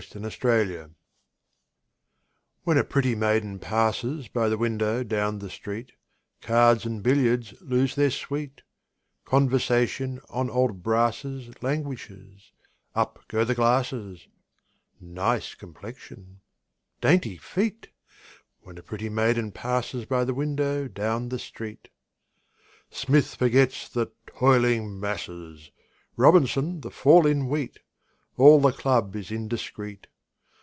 Y Z At the Club When a pretty maiden passes By the window down the street, Cards and billiards lose their sweet; Conversation on old brasses Languishes; up go the glasses: "Nice complexion!" "Dainty feet!" When a pretty maiden passes By the window down the street. Smith forgets the "toiling masses," Robinson, the fall in wheat; All the club is indiscret.